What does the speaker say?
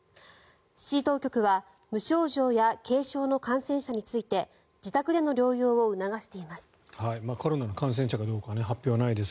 市当局は無症状や軽症の感染者について自宅での療養を促しています。